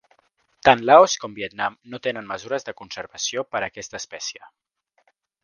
Tant Laos com Vietnam no tenen mesures de conservació per a aquesta espècie.